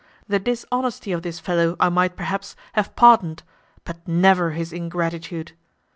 The dishonesty of this fellow I might, perhaps, have pardoned, but never his ingratitude.